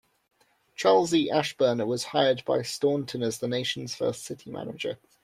Charles E. Ashburner was hired by Staunton as the nation's first city manager.